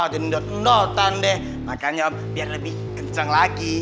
gendot gendotan deh makanya biar lebih kencang lagi